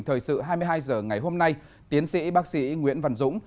thời sự hai mươi hai h ngày hôm nay tiến sĩ bác sĩ nguyễn văn dũng